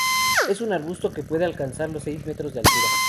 Es un arbusto que puede alcanzar los seis metros de altura.